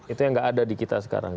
itu yang tidak ada di kita sekarang ya